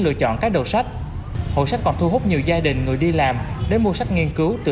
lựa chọn các đầu sách hội sách còn thu hút nhiều gia đình người đi làm đến mua sách nghiên cứu từ